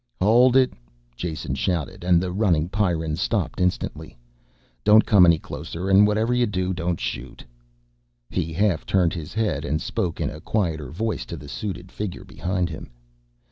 "Hold it!" Jason shouted, and the running Pyrrans stopped instantly. "Don't come any closer and whatever you do don't shoot." He half turned his head and spoke in a quieter voice to the suited figure behind him.